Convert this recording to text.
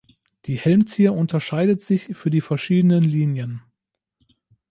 Die Helmzier unterscheidet sich für die verschiedenen Linien.